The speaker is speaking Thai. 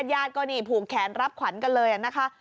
ญาติก็นี่ผูกแขนรับขวัญกันเลยนะคะ